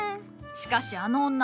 しかしあの女